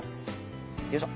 よいしょ！